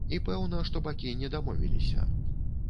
І пэўна, што бакі не дамовіліся.